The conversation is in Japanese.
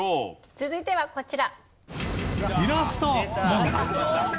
続いてはこちら。